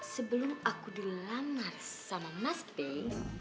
sebelum aku dilamar sama mas day